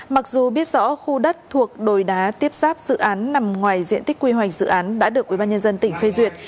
mặc dù biết rõ khu đất thuộc đồi đá tiếp sáp dự án nằm ngoài diện tích quy hoạch dự án đã được ubnd tỉnh phê duyệt